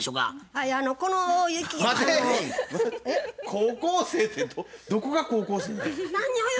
高校生ってどこが高校生なんや。